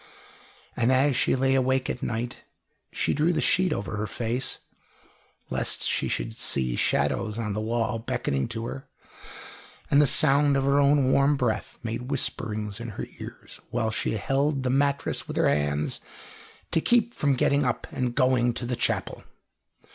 And as she lay awake at night, she drew the sheet over her face, lest she should see shadows on the wall beckoning to her; and the sound of her own warm breath made whisperings in her ears, while she held the mattress with her hands, to keep from getting up and going to the chapel.